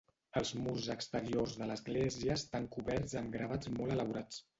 Els murs exteriors de l'església estan coberts amb gravats molt elaborats.